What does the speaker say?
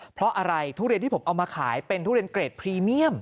เพราะอะไรทุเรียนที่ผมเอามาขายเป็นทุเรียนเกรดพรีเมียม